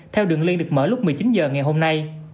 theo đường liên được mở lúc một mươi chín h ngày hôm nay